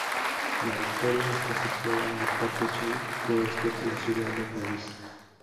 La Victoria está situada en la parte suroeste de la ciudad de Cádiz.